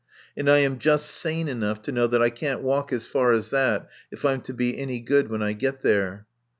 And I am just sane enough to know that I can't walk as far as that if I'm to be any good when I get there.